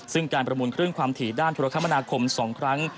ซึ่งการประมูลคลื่นความถี่ด้านธุรกรรมนาคม๒ครั้ง